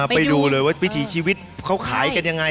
ไปดูเลยวิถีชีวิตของเขาขายอังกฤษข้าวของ